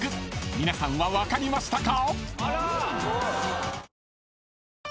［皆さんは分かりましたか？］